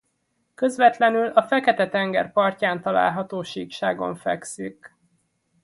Közvetlenül a Fekete-tenger partján található síkságon fekszik.